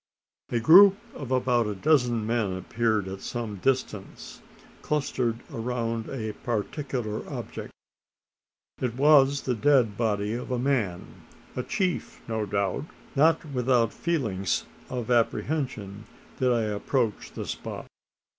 A group of about a dozen men appeared at some distance, clustered around a particular object. It was the dead body of a man a chief, no doubt? Not without feelings of apprehension did I approach the spot.